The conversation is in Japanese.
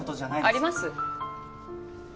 あります。